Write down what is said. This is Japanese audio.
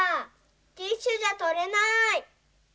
ティッシュじゃとれない。